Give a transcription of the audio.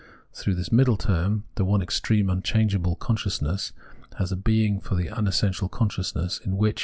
Through this middle!^ term the one extreme, unchangeable con sciousnt^ssl has a being for the unessential consciousness, in which